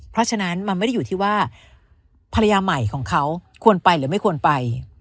เพราะฉะนั้นมันไม่ได้อยู่ที่ว่าภรรยาใหม่ของเขาควรไปหรือไม่ควรไป